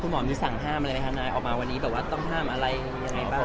หมอมีสั่งห้ามอะไรไหมคะนายออกมาวันนี้แบบว่าต้องห้ามอะไรยังไงบ้าง